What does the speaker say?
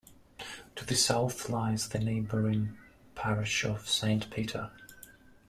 To the south lies the neighbouring Parish of Saint Peter.